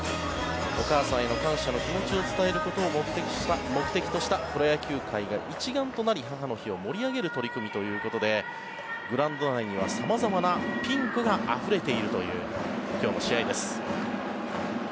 お母さんへの感謝の気持ちを伝えることを目的としたプロ野球界が一丸となり母の日を盛り上げる取り組みということでグラウンド内には様々なピンクがあふれているという今日の試合です。